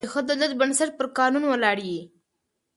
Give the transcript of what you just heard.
د ښه دولت بنسټ پر قانون ولاړ يي.